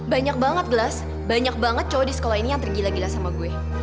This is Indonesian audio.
banyak banget gelas banyak banget cowok di sekolah ini yang tergila gila sama gue